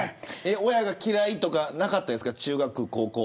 親が嫌いとか、なかったですか中学、高校。